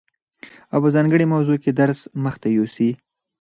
او په ځانګړي موضوع کي درس مخته يوسي،